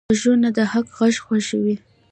غوږونه د حق غږ خوښوي